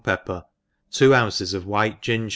peppet, two quncps of whitfi gii>g?